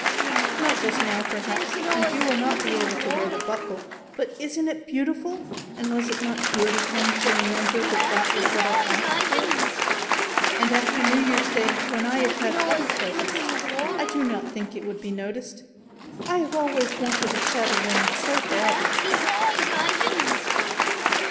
"Not just now perhaps, and you will not be able to wear the buckle, but isn't it beautiful and was it not good of him to remember that that was what I asked for; and after New Year's Day, when I have had other presents, I do not think it would be noticed. I have always wanted a chatelaine so badly."